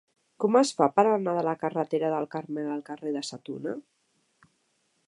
Com es fa per anar de la carretera del Carmel al carrer de Sa Tuna?